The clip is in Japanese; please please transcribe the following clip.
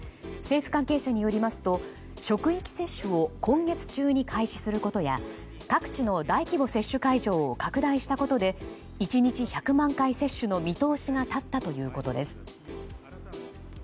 政府関係者によりますと職域接種を今月中に開始することや各地の大規模接種会場を拡大したことで１日１００万回接種の見通しが立ったということです。